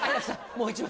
もう１枚。